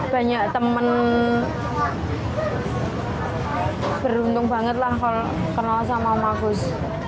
banyak temen beruntung banget lah kalau kena sama om agus